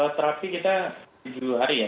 terapi kita tujuh hari ya